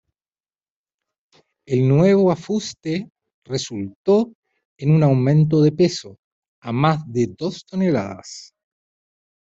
El nuevo afuste resultó en un aumento de peso, a más de dos toneladas.